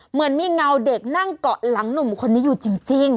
เหมือนมีเงาเด็กนั่งเกาะหลังหนุ่มคนนี้อยู่จริง